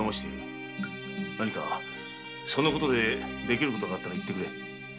何かそのことでできることがあったら言ってくれ。